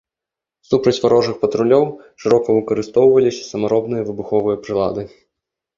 Супраць варожых патрулёў шырока выкарыстоўваліся самаробныя выбуховыя прылады.